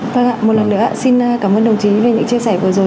vâng ạ một lần nữa xin cảm ơn đồng chí vinh đã chia sẻ vừa rồi